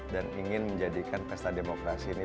dan ingin menjadikan pesta demokrasi ini